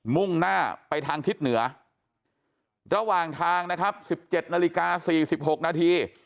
มุ่งหน้าไปทางทิศเหนือระหว่างทางนะครับสิบเจ็ดนาฬิกาสี่สิบหกนาที